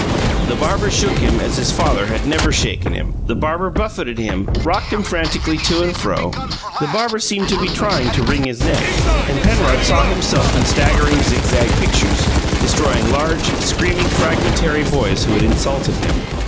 The barber shook him as his father had never shaken him; the barber buffeted him, rocked him frantically to and fro; the barber seemed to be trying to wring his neck; and Penrod saw himself in staggering zigzag pictures, destroying large, screaming, fragmentary boys who had insulted him.